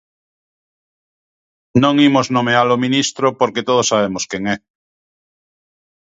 Non imos nomear o ministro porque todos sabemos quen é.